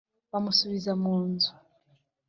Bamusubiza mu nzu